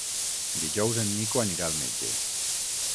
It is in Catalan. Dijous en Nico anirà al metge.